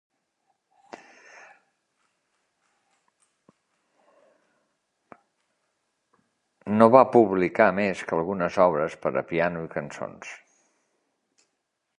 Nova publicar més que algunes obres per a piano i cançons.